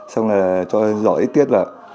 xong rồi cho giỏ ít tiết vào